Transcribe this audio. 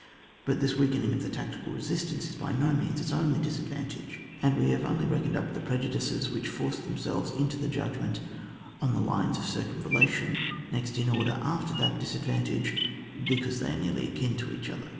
But this weakening of the tactical resistance is by ^o means its only disadvantage ; and we Jiave only reckoned up the prejudices which forced themselves into the judg ment on the lines of circumvallation next in order after that disadvantage, because they are nearly akin to each other.